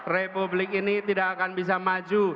republik ini tidak akan bisa maju